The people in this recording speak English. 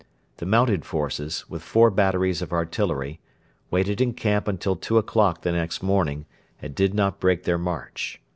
The mounted forces, with four batteries of artillery, waited in camp until two o'clock the next morning, and did not break their march.